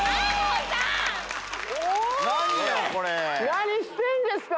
何してんですか！